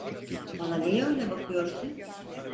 Bana niye öyle bakıyorsun?